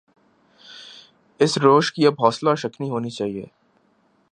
اس روش کی اب حوصلہ شکنی ہونی چاہیے۔